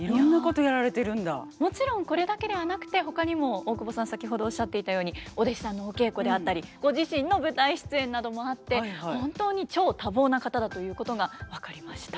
もちろんこれだけではなくてほかにも大久保さん先ほどおっしゃっていたようにお弟子さんのお稽古であったりご自身の舞台出演などもあって本当に超多忙な方だということが分かりました。